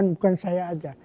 bukan saya saja